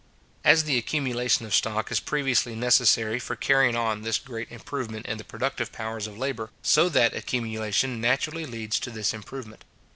As the accumulation of stock is previously necessary for carrying on this great improvement in the productive powers of labour, so that accumulation naturally leads to this improvement.